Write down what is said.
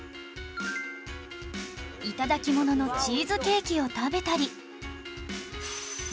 頂き物のチーズケーキを食べたり